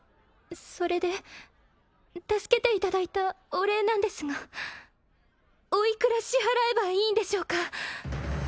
それで助けていただいたお礼なんですがおいくら支払えばいいんでしょうか？